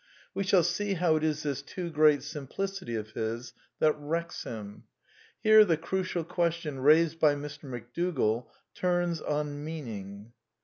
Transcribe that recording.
We shall see how it is this too great simplicity of his that wrecks him. Here the crucial question raised by Mr. McDougall turns on meaning.